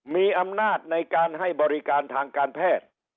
มีอำนาจในการให้บริการทางการแพทย์